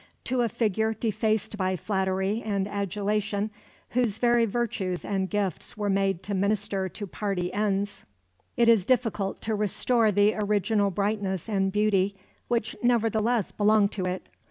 To a figure defaced by flattery and adulation, whose very virtues and gifts were made to minister to party ends, it is difficult to restore the original brightness and beauty which nevertheless belonged to it.